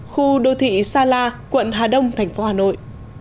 khu đô thị sa la quận hà đông thành phố hà nội